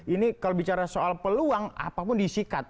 ini kalau bicara soal peluang apapun disikat